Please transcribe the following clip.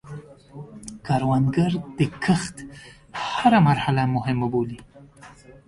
کروندګر د کښت هره مرحله مهمه بولي